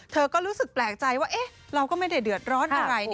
เธอก็รู้สึกแปลกใจว่าเราก็ไม่ได้เดือดร้อนอะไร